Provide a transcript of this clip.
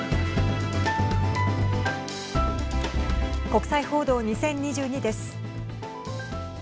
国際報道２０２２です。